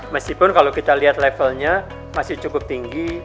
meskipun kalau kita lihat levelnya masih cukup tinggi